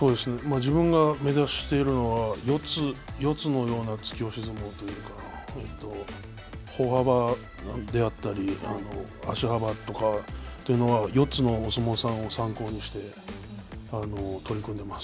自分が目指しているのは、四つのような突き押し相撲というか、歩幅であったり足幅とか四つのお相撲さんを参考にして取り組んでいます。